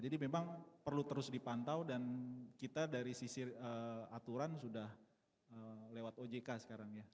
jadi memang perlu terus dipantau dan kita dari sisi aturan sudah lewat ojk sekarang ya